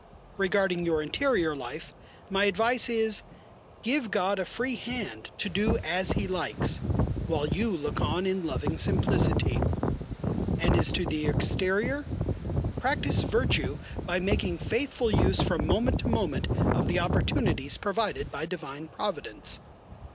Regarding your interior life, my advice is: Give God a free hand to do as He likes, while you look on in loving simplicity. And as to the exterior: Practise virtue by making faithful use from moment to moment of the opportunities provided by divine Providence.